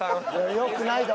よくないど。